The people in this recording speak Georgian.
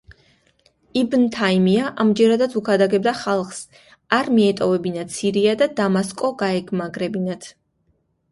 იბნ თაიმია ამჯერადაც უქადაგებდა ხალხს, არ მიეტოვებინათ სირია და დამასკო გაემაგრებინათ.